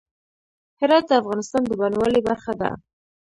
هرات د افغانستان د بڼوالۍ برخه ده.